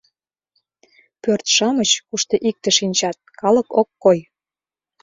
Пӧрт-шамыч кушто икте шинчат, калык ок кой.